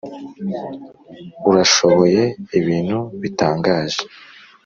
urashoboye ibintu bitangaje.